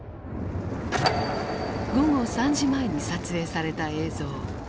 午後３時前に撮影された映像。